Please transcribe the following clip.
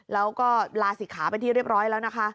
แล้วก็ลาศิกขาเป็นที่เรียบร้อยแล้วนะคะ